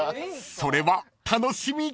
［それは楽しみ］